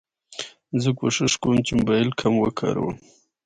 زه کوښښ کوم چې موبایل کم وکاروم.